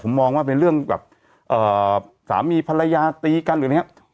ผมมองว่าเป็นเรื่องแบบสามีภรรยาตีกันหรืออะไรอย่างนี้